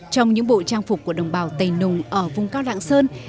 trong những bộ trang phục của đồng bào tây nùng ở vùng cao lạng sơn